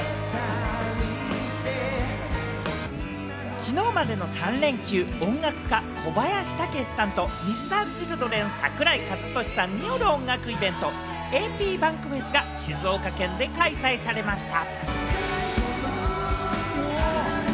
きのうまでの３連休、音楽家・小林武史さんと、Ｍｒ．Ｃｈｉｌｄｒｅｎ・桜井和寿さんによる音楽イベント、ａｐｂａｎｋｆｅｓが静岡県で開催されました。